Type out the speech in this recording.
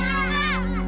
selamat siang siapa ya